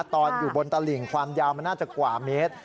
ตอนอยู่บนตลิ่งความยาวมันน่าจะกว่าเมตร